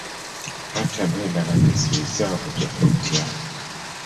Hata mila na desturi zao hutofautiana